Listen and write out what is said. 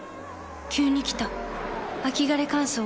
急に来た秋枯れ乾燥。